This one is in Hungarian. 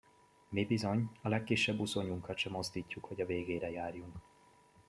Mi bizony a legkisebb uszonyunkat se mozdítjuk, hogy a végére járjunk!